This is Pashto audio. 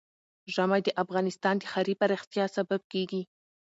ژمی د افغانستان د ښاري پراختیا سبب کېږي.